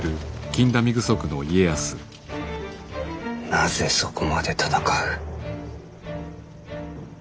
なぜそこまで戦う。